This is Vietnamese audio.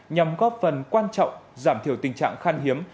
nhằm góp phần quan trọng giảm thiểu tình trạng khan hiếm